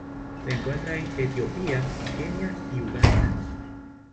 Se encuentra en Etiopía, Kenia y Uganda.